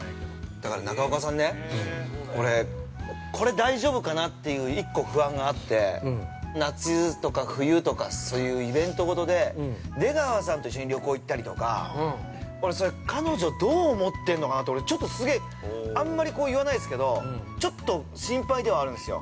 ◆だから、中岡さんね、俺、これ大丈夫かなという、１個不安があって、夏とか冬とか、そういうイベントごとで、出川さんと旅行に行ったりとか、彼女どう思ってるのかなって、あんまり言わないですけど、ちょっと心配ではあるんですよ。